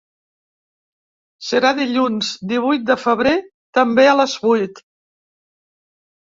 Serà dilluns divuit de febrer també a les vuit.